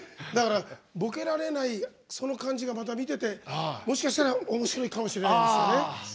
ぼけられない、その感じがまた見てて、もしかしたらおもしろいかもしれないんですね。